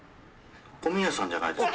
小宮さんじゃないですか？